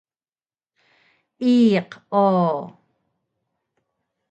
Iq o